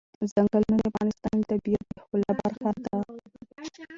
ځنګلونه د افغانستان د طبیعت د ښکلا برخه ده.